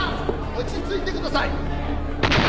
落ち着いてください。